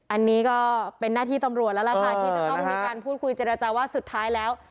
อันนี้ก็เป็นหน้าที่ตำรวจแล้วล่ะค่ะที่จะต้องมีการพูดคุยเจรจาว่าสุดท้ายแล้ว